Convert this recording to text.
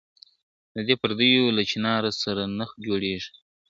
د دې پردیو له چیناره سره نه جوړیږي `